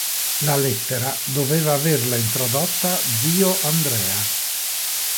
La lettera doveva averla introdotta zio Andrea.